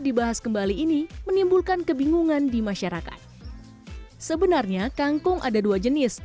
dibahas kembali ini menimbulkan kebingungan di masyarakat sebenarnya kangkung ada dua jenis